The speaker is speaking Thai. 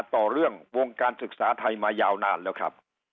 ต่อเรื่องวงการศึกษาไทยมายาวนานแล้วครับ